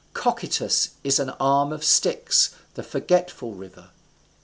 Cocytus is an arm of Styx, the forgetful river.